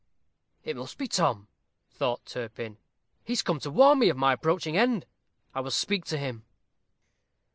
"It must be Tom," thought Turpin; "he is come to warn me of my approaching end. I will speak to him."